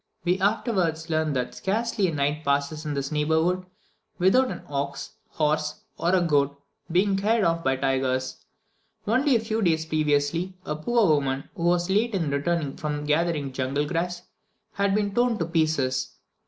We afterwards learnt that scarcely a night passes in this neighbourhood without an ox, horse, or goat being carried off by tigers. Only a few days previously, a poor woman who was late in returning from gathering jungle grass, had been torn to pieces.